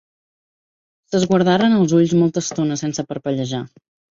S'esguardaren als ulls molta estona sense parpellejar.